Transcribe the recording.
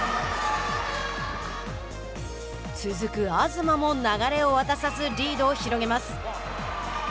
続く東も流れを渡さずリードを広げます。